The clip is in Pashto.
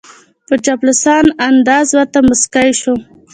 په چاپلوسانه انداز ورته موسکای شو